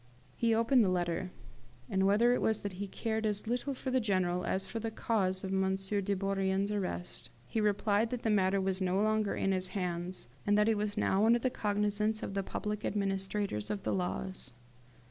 He opened the letter; and whether it was that he cared as little for the General as for the cause of M. de Bourrienne's arrest, he replied that the matter was no longer in his hands, and that it was now under the cognisance of the public administrators of the laws.